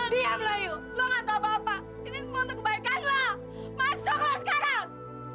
diam lah ibu lo gak tau apa apa ini semua untuk kebaikan lo masuk lo sekarang